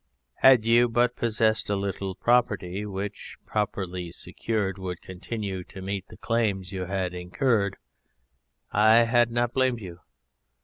Had you but possessed a little property which, properly secured, would continue to meet the claims you had incurred, I had not blamed you.